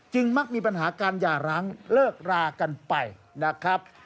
มักมีปัญหาการหย่าร้างเลิกรากันไปนะครับ